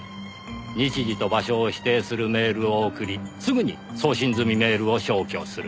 日時と場所を指定するメールを送りすぐに送信済みメールを消去する。